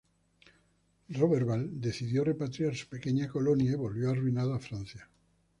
Roberval decidió repatriar su pequeña colonia y volvió arruinado a Francia.